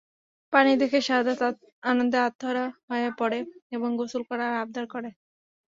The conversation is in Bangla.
পানি দেখে শাহাদাত আনন্দে আত্মহারা হয়ে পড়ে এবং গোসল করার আবদার করে।